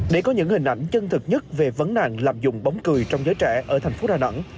để có những hình ảnh chân thực nhất về vấn nạn làm dùng bóng cười trong giới trẻ ở thành phố đà nẵng